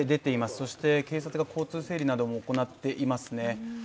そして、警察が交通整理なども行っています。